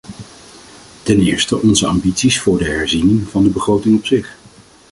Ten eerste onze ambities voor de herziening van de begroting op zich.